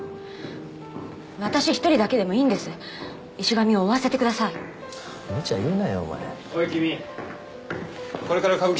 私一人だけでもいいんです石神を追わせてくださいムチャ言うなよ